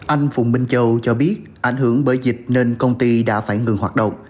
anh phùng minh châu cho biết ảnh hưởng bởi dịch nên công ty đã phải ngừng hoạt động